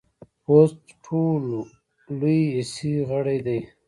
پوست ټولو لوی حسي غړی دی.